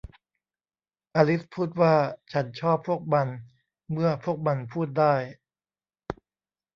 อลิซพูดว่า ฉันชอบพวกมันเมื่อพวกมันพูดได้